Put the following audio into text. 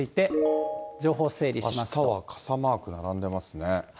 あしたは傘マーク並んでます